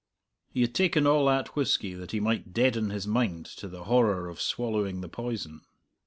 He had taken all that whisky that he might deaden his mind to the horror of swallowing the poison.